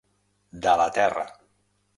De la terra.